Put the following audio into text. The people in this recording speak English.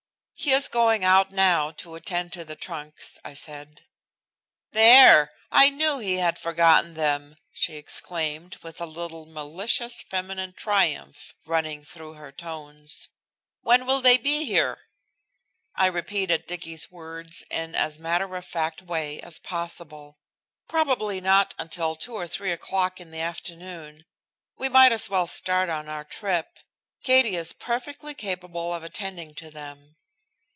"He is going out now to attend to the trunks," I said. "There! I knew he had forgotten them," she exclaimed, with a little malicious feminine triumph running through her tones. "When will they be here?" "Not before noon at the earliest," I repeated Dicky's words in as matter of fact way as possible. "Probably not until 2 or 3 o'clock in the afternoon. We might as well start on our trip. Katie is perfectly capable of attending to them."